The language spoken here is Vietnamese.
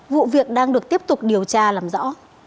vụ việc đang được tiếp tục điều tra làm rõ